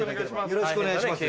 よろしくお願いします。